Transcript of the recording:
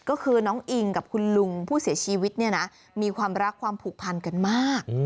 ก็คือน้องอิงกับคุณลุงผู้เสียชีวิตเนี่ยนะมีความรักความผูกพันกันมาก